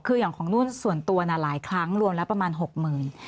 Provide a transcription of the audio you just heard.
คืออย่างของนุ่นส่วนตัวหลายครั้งรวมแล้วประมาณหกหมื่น